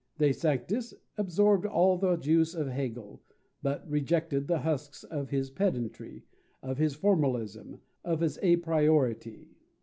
De Sanctis absorbed all the juice of Hegel, but rejected the husks of his pedantry, of his formalism, of his apriority.